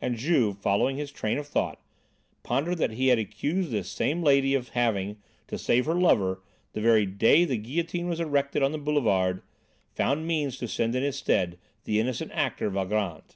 And Juve, following his train of thought, pondered that he had accused this same lady of having, to save her lover, the very day the guillotine was erected on the boulevard, found means to send in his stead the innocent actor, Valgrand.